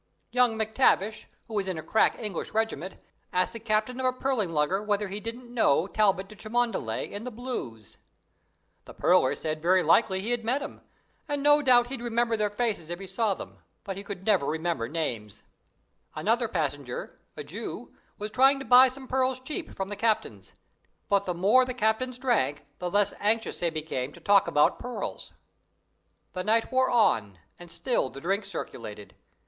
"Young MacTavish, who is in a crack English regiment, asked the captain of a pearling lugger whether he didn't know Talbot de Cholmondeley in the Blues. "The pearler said very likely he had met 'em, and no doubt he'd remember their faces if he saw them, but he never could remember names. "Another passenger a Jew was trying to buy some pearls cheap from the captains, but the more the captains drank the less anxious they became to talk about pearls. "The night wore on, and still the drinks circulated.